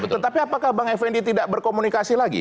tetapi apakah bang effendi tidak berkomunikasi lagi